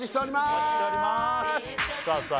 お待ちしておりますさあさあ